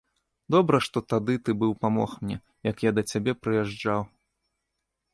Добра, што тады ты быў памог мне, як я да цябе прыязджаў.